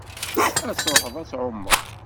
Ad truḥeḍ ad tɛummeḍ?